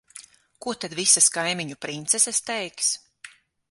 Ko tad visas kaimiņu princeses teiks?